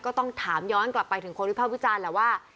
ก็ต้องถามย้อนกลับไปถึงคนวิภาพวิจารณ์แหละว่า